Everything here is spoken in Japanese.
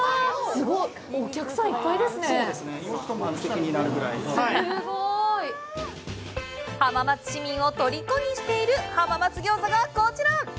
すごい！浜松市民をとりこにしている浜松餃子がこちら！